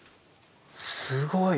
すごい。